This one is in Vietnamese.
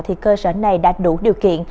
thì cơ sở này đã đủ điều kiện